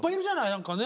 何かね